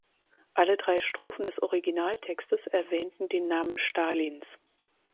Alle drei Strophen des Originaltextes erwähnten den Namen Stalins.